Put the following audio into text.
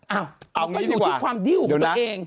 เอาอย่างนี้ดีกว่าเดี๋ยวนะ